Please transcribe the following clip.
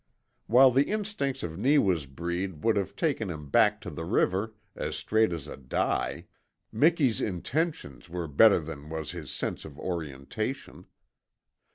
While the instincts of Neewa's breed would have taken him back to the river as straight as a die, Miki's intentions were better than was his sense of orientation.